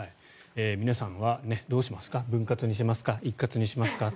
皆さんはどうしますか分割にしますか一括にしますか。